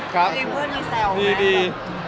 เพื่อนมีแสวไหม